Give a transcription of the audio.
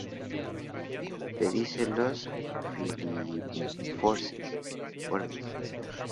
Pedicelos filiformes.